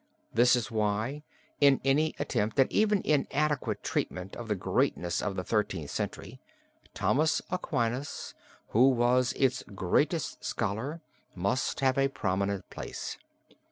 This is why, in any attempt at even inadequate treatment of the greatness of the Thirteenth Century, Thomas Aquinas, who was its greatest scholar, must have a prominent place.